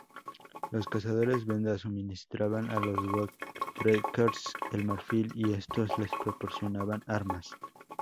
Los cazadores venda suministraban a los voortrekkers el marfil, y estos les proporcionaban armas.